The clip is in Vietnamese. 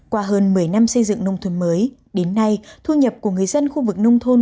qua hơn một mươi năm xây dựng nông thôn mới đến nay thu nhập của người dân khu vực nông thôn